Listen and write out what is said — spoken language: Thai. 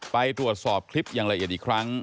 ไปตรวจสอบคลิปอย่างละเอียดอีกครั้ง